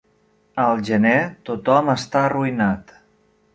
Al gener tothom està arruïnat.